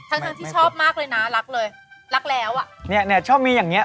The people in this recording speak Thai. ทั้งที่ชอบมากเลยนะรักเลยรักแล้วอะเนี่ยชอบมีอย่างนี้